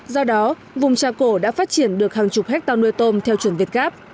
do đó vùng trà cổ đã phát triển được hàng chục hectare nuôi tôm theo chuẩn việt gáp